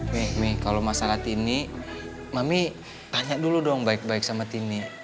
mi kalau masalah tini mami tanya dulu dong baik baik sama tini